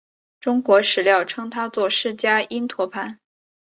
中国史料称他作释利因陀盘。